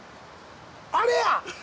あれや！